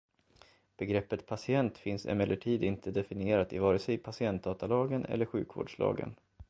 Begreppet patient finns emellertid inte definierat i vare sig patientdatalagen eller sjukvårdslagen.